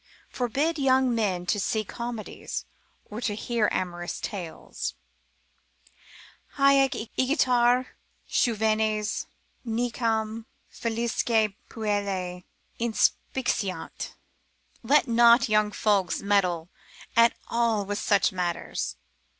forbid young men to see comedies, or to hear amorous tales. Haec igitur juvenes nequam facilesque puellae Inspiciant——— let not young folks meddle at all with such matters.